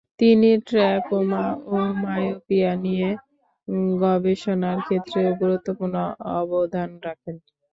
তিনি ট্রাকোমা ও মায়োপিয়া নিয়ে গবেষণার ক্ষেত্রেও গুরুত্বপূর্ণ অবদান রাখেন।